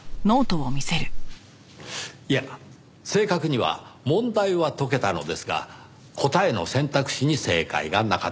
いや正確には問題は解けたのですが答えの選択肢に正解がなかった。